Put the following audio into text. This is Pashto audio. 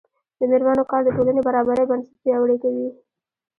د میرمنو کار د ټولنې برابرۍ بنسټ پیاوړی کوي.